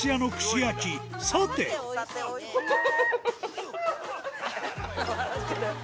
ハハハハ！